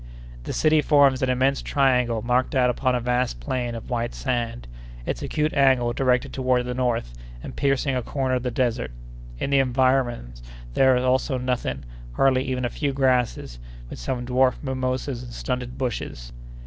The city forms an immense triangle marked out upon a vast plain of white sand, its acute angle directed toward the north and piercing a corner of the desert. In the environs there was almost nothing, hardly even a few grasses, with some dwarf mimosas and stunted bushes.